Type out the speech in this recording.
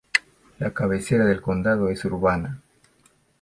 La cabecera del condado es Urbana.